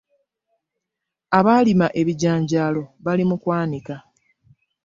Abaalima ebijanjaalo bali mu kwanika.